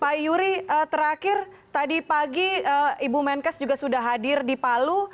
pak yuri terakhir tadi pagi ibu menkes juga sudah hadir di palu